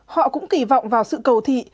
họ cũng kỳ vọng vào sự cầu thị